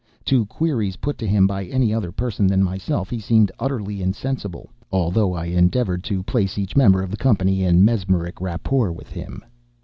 To queries put to him by any other person than myself he seemed utterly insensible—although I endeavored to place each member of the company in mesmeric rapport with him.